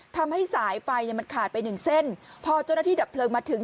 ทำให้สายไฟเนี่ยมันขาดไปหนึ่งเส้นพอเจ้าหน้าที่ดับเพลิงมาถึง